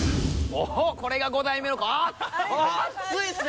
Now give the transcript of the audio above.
おっこれが５代目のかあっ熱いですね！